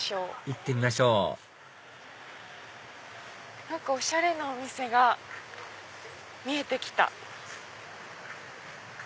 行ってみましょうおしゃれなお店が見えて来た。